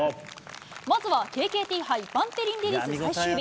まずはＫＫＴ杯バンテリン・レディス最終日。